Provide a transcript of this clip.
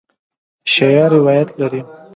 شیعه روایت لري.